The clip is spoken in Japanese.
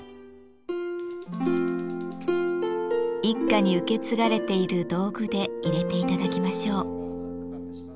一家に受け継がれている道具でいれて頂きましょう。